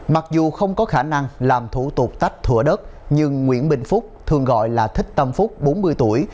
mặc dù không có khả năng làm thủ tục tách thủa đất nhưng nguyễn bình phúc thường gọi là thích tâm phúc bốn mươi tuổi